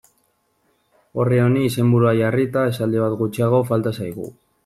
Orri honi izenburua jarrita, esaldi bat gutxiago falta zaigu.